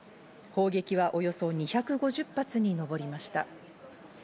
砲撃はおよそ２５０発にのぼりました。